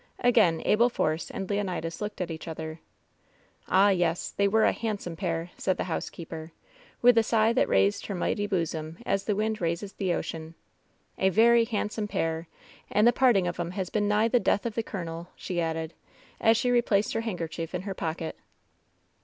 Again Abel Force and Leonidas looked at each other. "Ah, yesl They were a handsome pair!" said the housekeeper, with a sigh that raised her mighty bosom as the wind raises the ocean — "a very handsome pair, and the parting of 'em has been night the death of the colonel," she added, as she replaced her handkerchief in her pocket.